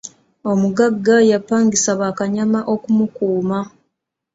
Omuggaga yapangisa bakanyama okumukuuma.